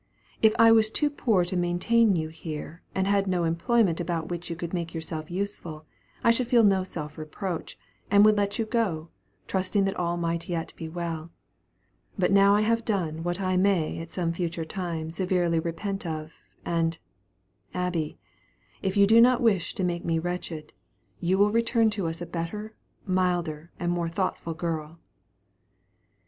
If I was too poor to maintain you here, and had no employment about which you could make yourself useful, I should feel no self reproach, and would let you go, trusting that all might yet be well; but now I have done what I may at some future time severely repent of; and, Abby, if you do not wish to make me wretched, you will return to us a better, milder, and more thoughtful girl."